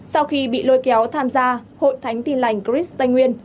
sau khi bị lôi kéo tham gia hội thánh tin lành chris tây nguyên